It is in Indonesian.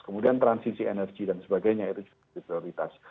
kemudian transisi energi dan sebagainya itu juga jadi prioritas